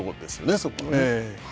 そこはね。